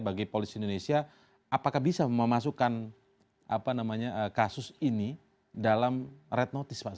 bagi polisi indonesia apakah bisa memasukkan kasus ini dalam red notice pak